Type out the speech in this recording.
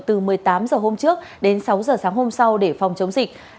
từ một mươi tám h hôm trước đến sáu h sáng hôm sau để phòng chống dịch